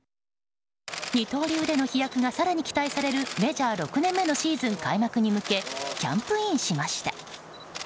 二刀流での飛躍が更に期待されるメジャー６年目のシーズン開幕に向けてキャンプインしました。